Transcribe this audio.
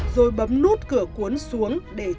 rồi bấm nút cửa cuốn xuống để tránh bên ngoài